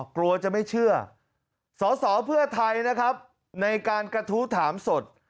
กลัวจะไม่เชื่อสอสอเพื่อไทยนะครับในการกระทู้ถามสด